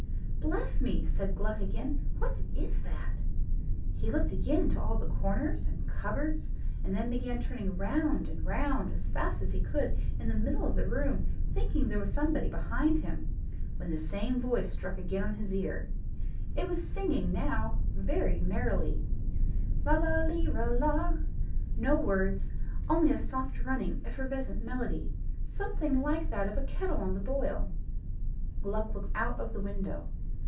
"Bless me!" said Gluck again; "what is that?" He looked again into all the corners and cupboards, and then began turning round, and round, as fast as he could in the middle of the room, thinking there was somebody behind him, when the same voice struck again on his ear. It was singing now very merrily, "Lala lira la;" no words, only a soft running, effervescent melody, something like that of a kettle on the boil. Gluck looked out of the window.